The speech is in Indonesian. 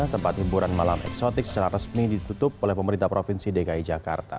tempat hiburan malam eksotik secara resmi ditutup oleh pemerintah provinsi dki jakarta